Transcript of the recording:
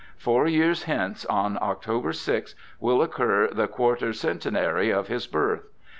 Four years hence, on October 6, will occur the quater centenary of his birth.